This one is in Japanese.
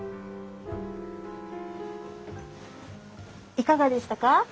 いかがでしたか？